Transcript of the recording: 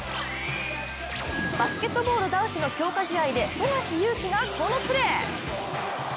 バスケットボール男子の強化試合で富樫勇樹がこのプレー。